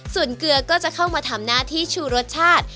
ส่วนเกลือก็จะเข้ามาทำหน้าที่ชูรสชาติ